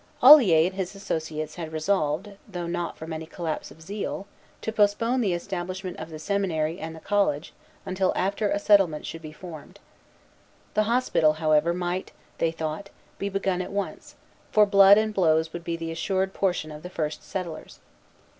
Olier and his associates had resolved, though not from any collapse of zeal, to postpone the establishment of the seminary and the college until after a settlement should be formed. The hospital, however, might, they thought, be begun at once; for blood and blows would be the assured portion of the first settlers.